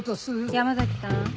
山崎さん。